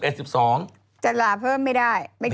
จะลาเพิ่มไม่ได้